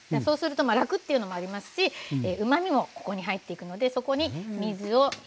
そうすると楽っていうのもありますしうまみもここに入っていくので。